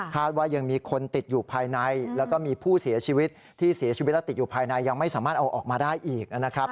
ว่ายังมีคนติดอยู่ภายในแล้วก็มีผู้เสียชีวิตที่เสียชีวิตและติดอยู่ภายในยังไม่สามารถเอาออกมาได้อีกนะครับ